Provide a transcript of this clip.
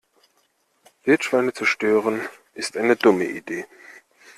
Wildschweine zu stören ist eine dumme Idee.